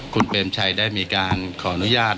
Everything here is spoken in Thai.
คุณเปรมชัยได้มีการขออนุญาต